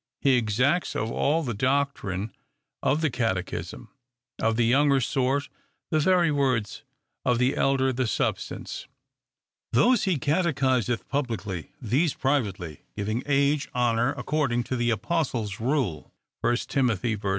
— He exacts of all the doctrine of the catechism ; of the younger sort, the very words ; of the elder, the substance. Those he catechiseth publicly ; these privately, giving age honor, according to the apostle's rule (1 Tim. v. 1).